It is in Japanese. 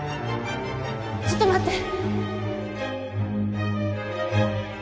ちょっと待って。